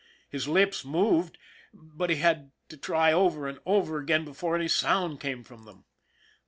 His lips moved, but he had to try over and over again before any sound came from them.